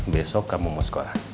besok kamu mau sekolah